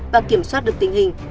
và kiểm soát được tình hình